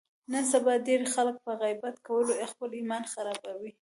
نن سبا ډېری خلک په غیبت کولو خپل ایمان خرابوي.